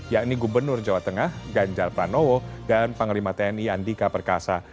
yakni gubernur jawa tengah ganjar pranowo dan panglima tni andika perkasa